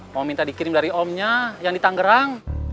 mau minta dikirim dari omnya yang di tangerang